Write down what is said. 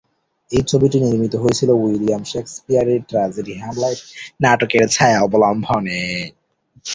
এই ছবিটি নির্মিত হয়েছিল উইলিয়াম শেকসপিয়রের ট্র্যাজেডি "হ্যামলেট" নাটকের ছায়া অবলম্বনে।